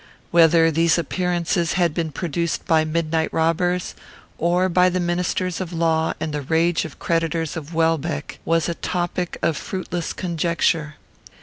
Whether these appearances had been produced by midnight robbers, or by the ministers of law and the rage of the creditors of Welbeck, was a topic of fruitless conjecture.